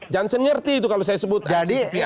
jansen ngerti itu kalau saya sebut jadi